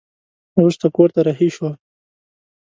وروسته کور ته رهي شوه.